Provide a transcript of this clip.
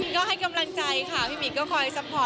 ก็ให้กำลังใจค่ะพี่หมีก็คอยซัพพอร์ต